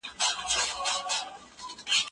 د پرمختیا لارې چارې باید نوې سي.